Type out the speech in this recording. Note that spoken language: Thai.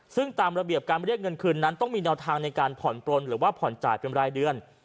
ซึ่งตามระเบียบการเรียกเงินคืนนั้นต้องมีแนวทางในการผ่อนปลนหรือว่าผ่อนจ่ายเป็นรายเดือน